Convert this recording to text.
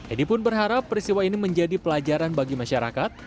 edi pun berharap peristiwa ini menjadi pelajaran bagi masyarakat